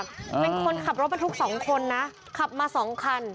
เป็นคนขับรถมาทุก๒คนนะขับมา๒คัน